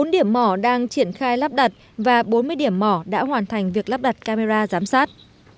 bốn điểm mỏ đang triển khai lắp đặt và bốn mươi điểm mỏ đã hoàn thành việc lắp đặt camera giám sát